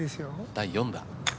第４打。